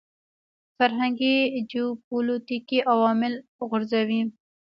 فرهنګي جیوپولیټیکي عوامل غورځوي.